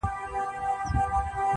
د مسافر جانان کاغذه!.